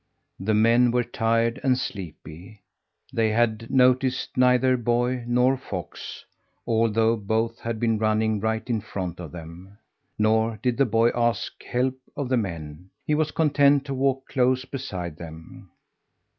The men were tired and sleepy; they had noticed neither boy nor fox, although both had been running right in front of them. Nor did the boy ask help of the men; he was content to walk close beside them.